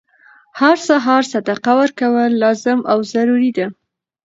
هر سهار صدقه ورکول لازم او ضروري ده،